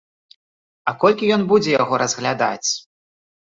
А колькі ён будзе яго разглядаць?